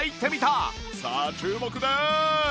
さあ注目でーす！